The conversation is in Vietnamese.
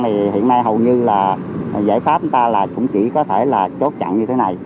thì hiện nay hầu như là giải pháp chúng ta là cũng chỉ có thể là chốt chặn như thế này